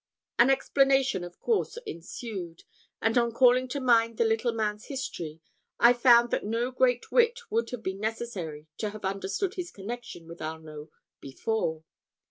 An explanation of course ensued; and on calling to mind the little man's history, I found that no great wit would have been necessary to have understood his connection with Arnault before.